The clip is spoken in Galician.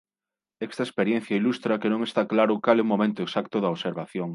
Esta experiencia ilustra que non está claro cal é o momento exacto da observación.